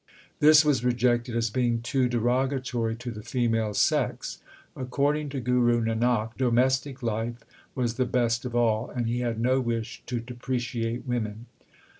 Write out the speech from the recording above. This was rejected as being too derogatory to the female sex. According to Guru Nanak, domestic life was the best of all, and he had no wish to depreciate women.